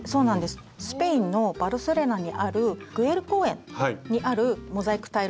スペインのバルセロナにあるグエル公園にあるモザイクタイル